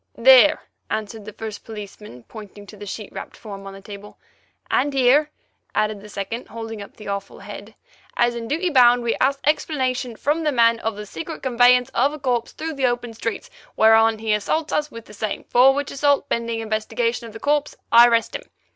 "There!" answered the first policeman, pointing to the sheet wrapped form on the table. "And here!" added the second, holding up the awful head. "As in duty bound, we ask explanation from that man of the secret conveyance of a corpse through the open streets, whereon he assaults us with the same, for which assault, pending investigation of the corpse, I arrest him.